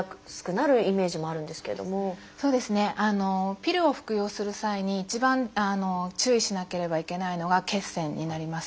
ピルを服用する際に一番注意しなければいけないのが血栓になります。